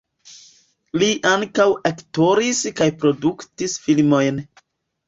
Li ankaŭ aktoris kaj produktis filmojn.